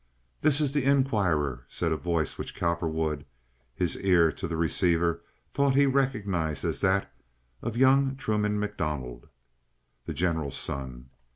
"This is the Inquirer," said a voice which Cowperwood, his ear to the receiver, thought he recognized as that of young Truman MacDonald, the General's son.